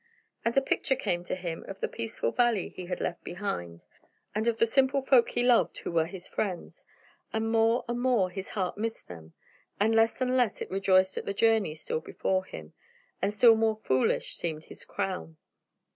And a picture came to him of the peaceful valley he had left behind, and of the simple folk he loved who were his friends, and more and more his heart missed them, and less and less it rejoiced at the journey still before him, and still more foolish seemed his crown.